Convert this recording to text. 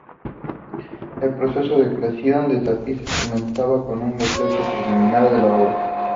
El proceso de creación de tapices comenzaba con un boceto preliminar de la obra.